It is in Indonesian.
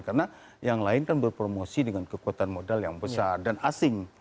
karena yang lain kan berpromosi dengan kekuatan modal yang besar dan asing